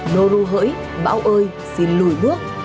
nô ru hỡi bão ơi xin lùi nước